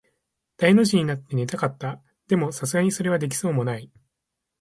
大の字になって寝たかった。でも、流石にそれはできそうもない。